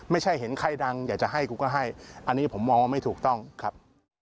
ไม่ใช่เห็นใครดังอยากจะให้กูก็ให้อันนี้ผมมองว่าไม่ถูกต้องครับ